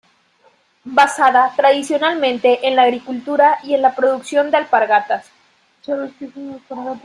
Basada tradicionalmente en la agricultura y en la producción de alpargatas.